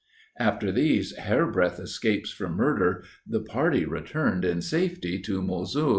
After these hair breadth escapes from murder, the party returned in safety to Mosul.